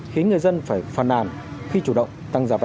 khiến người dân phải phàn nàn khi chủ động tăng giả vẽ